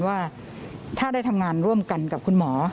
ว่าถ้าได้ทำงานร่วมกันกับคุณหมอ